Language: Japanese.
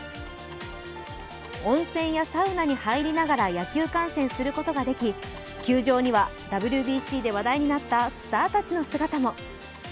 温泉やサウナに入りながら野球観戦することができ球場にはＷＢＣで話題になったスターたちの姿も。